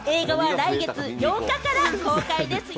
映画は来月８日から公開ですよ。